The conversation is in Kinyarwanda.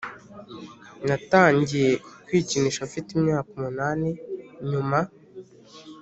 Natangiye kwikinisha mfite imyaka umunani Nyuma